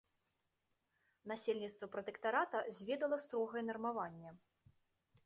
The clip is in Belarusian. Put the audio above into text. Насельніцтва пратэктарата зведала строгае нармаванне.